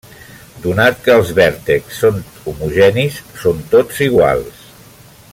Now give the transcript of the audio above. Donat que els vèrtexs són homogenis, són tots iguals.